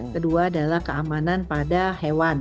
kedua adalah keamanan pada hewan